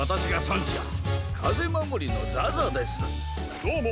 どうも！